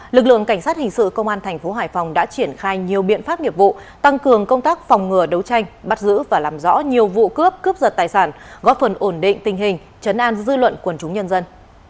lực lượng cảnh sát hình sự công an thành phố hải phòng đã triển khai nhiều biện pháp nghiệp vụ tăng cường công tác phòng ngừa đấu tranh bắt giữ và làm rõ nhiều vụ cướp cướp giật tài sản góp phần ổn định tình hình chấn an dư luận quần chúng nhân dân